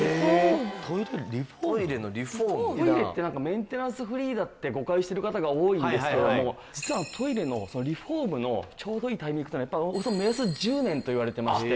トイレってなんかメンテナンスフリーだって誤解してる方が多いんですけども実はトイレのリフォームのちょうどいいタイミングというのはやっぱりおよそ目安１０年といわれてまして。